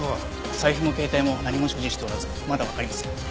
財布も携帯も何も所持しておらずまだわかりません。